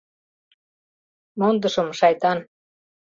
Мондышым, шайтан.